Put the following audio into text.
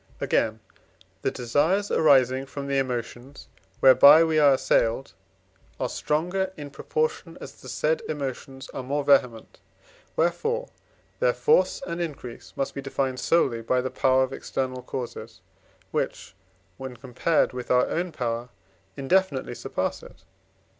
Again, the desires arising from the emotions whereby we are assailed are stronger, in proportion as the said emotions are more vehement; wherefore their force and increase must be defined solely by the power of external causes, which, when compared with our own power, indefinitely surpass it (IV.